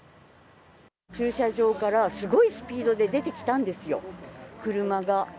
駐車場からすごいスピードで出てきたんですよ、車が。